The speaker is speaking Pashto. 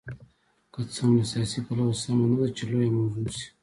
که څه هم له سیاسي پلوه سمه نه ده چې لویه موضوع شي.